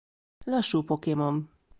Lassú pokémon.